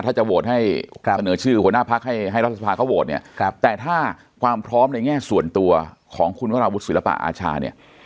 ถ้าจะโหวตให้เสนอชื่อหัวหน้าพักให้ให้รัฐสภาเขาโหวตเนี่ยแต่ถ้าความพร้อมในแง่ส่วนตัวของคุณวราวุฒิศิลปะอาชาเนี่ย